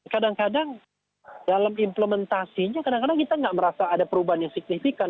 kadang kadang dalam implementasinya kadang kadang kita nggak merasa ada perubahan yang signifikan